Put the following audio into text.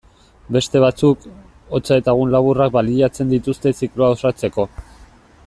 Beste batzuk, hotza eta egun laburrak baliatzen dituzte zikloa osatzeko.